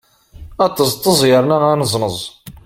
Aṭeẓṭeẓ yerna aneẓneẓ!